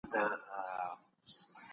پنځه افغانۍ پاته کېږي.